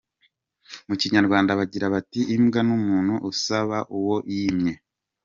Mu Kinyarwanda, bagira bati Imbwa n’umuntu usaba uwo yimye.